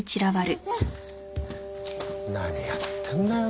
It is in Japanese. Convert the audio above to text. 何やってんだよ